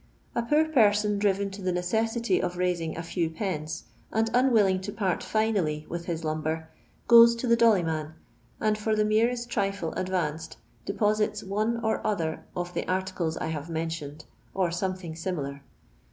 A poor person driven to the necessity of raising a few pence, nnd unwilling to part finally with his lumber, goes to the dolly man, and for the merest trifle advanced, deposits one or other of the articles I have mentioned, or something similar.